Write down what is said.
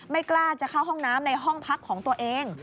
ไม่กล้าจะเข้าห้องน้ำในห้องพักของตัวเอง